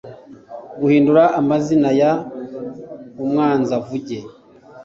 guhindura amazina ya UMWANZAVUGE